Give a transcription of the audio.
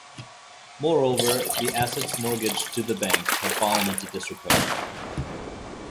Moreover the assets mortgaged to the Bank had fallen into disrepair.